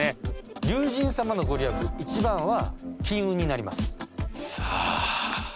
龍神様の御利益一番は金運になります。